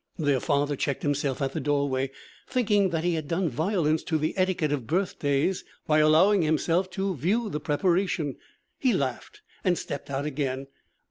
Their father checked himself at the doorway, thinking that he had done violence to the etiquette of birthdays by allowing himself to view the preparation. He laughed and stepped out again.